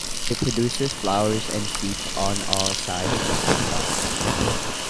It produces flowers and seeds on all sides of the stalk.